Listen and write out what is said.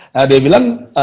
nah dia bilang